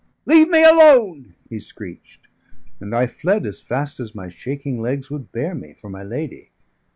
"Leave me alone!" he screeched, and I fled, as fast as my shaking legs would bear me, for my lady.